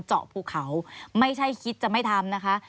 เจาะภูเขาไม่ใช่คิดจะไม่ทำ